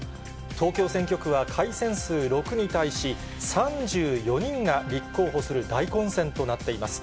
東京選挙区は改選数６に対し、３４人が立候補する大混戦となっています。